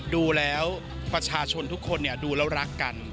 ดูแล้วประชาชนทุกคนดูแล้วรักกัน